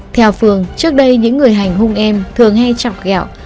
theo phương trước đây những người hành hung em thường hay chọc gẹo